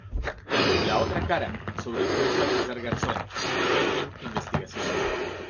La otra cara", sobre el juez Baltasar Garzón; "Egin Investigación.